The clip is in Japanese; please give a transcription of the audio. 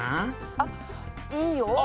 あっいいよ。